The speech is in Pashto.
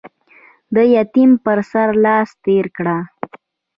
د يتيم پر سر لاس تېر کړه.